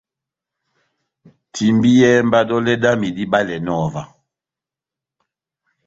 Timbiyɛhɛ mba dɔlɛ dami dibalɛnɔ ová.